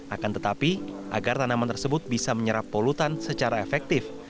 akan tetapi agar tanaman tersebut bisa menyerap polutan secara efektif